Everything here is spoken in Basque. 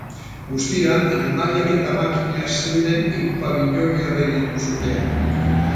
Guztira, animaliak eta makinak zeuden hiru pabiloi erre ditu suteak.